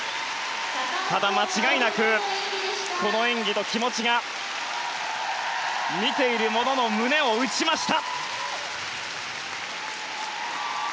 ただ、間違いなくこの演技と気持ちが見ている者の胸を打ちました。